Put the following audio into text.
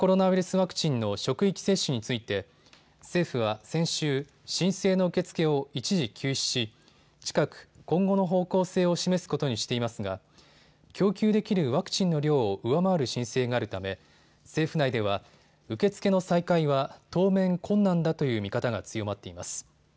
ワクチンの職域接種について政府は先週、申請の受け付けを一時休止し近く、今後の方向性を示すことにしていますが供給できるワクチンの量を上回る申請があるため政府内では受け付けの再開は当面、困難だという見方が強まっています。